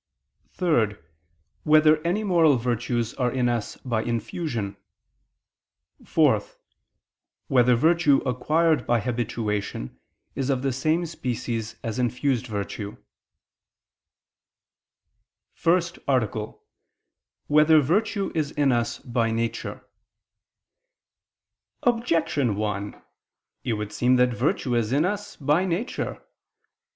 (3) Whether any moral virtues are in us by infusion? (4) Whether virtue acquired by habituation, is of the same species as infused virtue? ________________________ FIRST ARTICLE [I II, Q. 63, Art. 1] Whether Virtue Is in Us by Nature? Objection 1: It would seem that virtue is in us by nature.